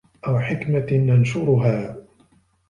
أَوْ حِكْمَةٍ تَنْشُرُهَا